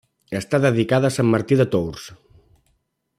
Està dedicada a Sant Martí de Tours.